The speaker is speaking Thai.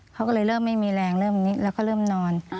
เขาก็เลยเริ่มไม่มีแรงเริ่มแล้วก็เริ่มนอน